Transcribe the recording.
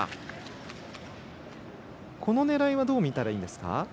この狙いはどう見たらいいですか。